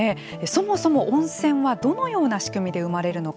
そもそも温泉はどのような仕組みで生まれるのか。